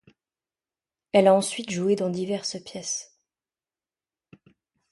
Elle a ensuite joué dans diverses pièces.